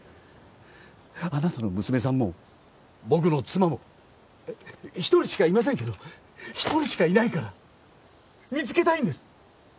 あなたの娘さんも僕の妻も一人しかいませんけど一人しかいないから見つけたいんです